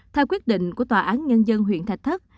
theo quyết định của tòa án nhân dân huyện thạch thất